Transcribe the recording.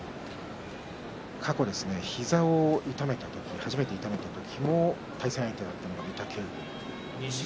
過去、膝を痛めた時対戦相手だったのが御嶽海です。